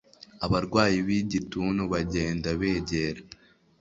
Abarwayi bigituntu bagenda begera